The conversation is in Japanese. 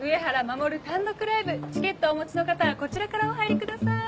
守単独ライブチケットをお持ちの方はこちらからお入りください。